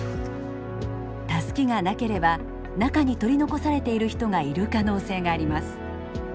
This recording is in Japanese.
タスキがなければ中に取り残されている人がいる可能性があります。